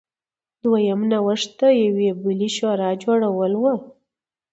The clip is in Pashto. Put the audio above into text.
دویم نوښت د یوې بلې شورا جوړول و.